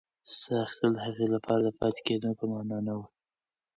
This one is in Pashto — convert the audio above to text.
ساه اخیستل د هغې لپاره د پاتې کېدو په مانا وه.